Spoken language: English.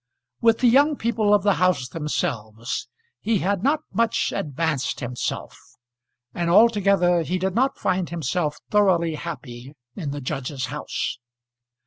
With the young people of the house themselves he had not much advanced himself; and altogether he did not find himself thoroughly happy in the judge's house.